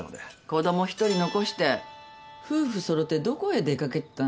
子供一人残して夫婦揃ってどこへ出掛けてたんだ？